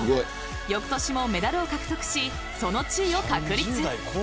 翌年もメダルを獲得しその地位を確立。